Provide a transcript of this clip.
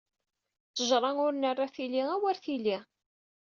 Ṭejra ur nerra tili awer tili.